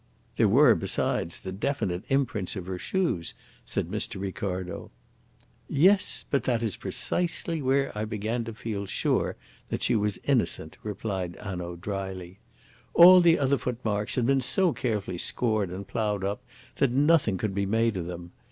"There were, besides, the definite imprints of her shoes," said Mr. Ricardo. "Yes, but that is precisely where I began to feel sure that she was innocent," replied Hanaud dryly. "All the other footmarks had been so carefully scored and ploughed up that nothing could be made of them.